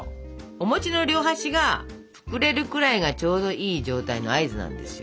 おの両端が膨れるくらいがちょうどいい状態の合図なんですよ。